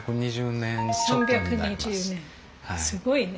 すごいね。